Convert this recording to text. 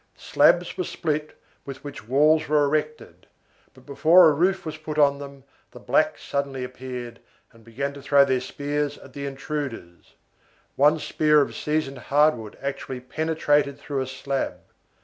Slabs were split with which walls were erected, but before a roof was put on them the blacks suddenly appeared and began to throw their spears at the intruders; one spear of seasoned hardwood actually penetrated through a slab.